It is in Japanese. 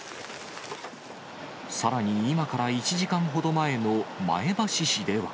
さらに今から１時間ほど前の前橋市では。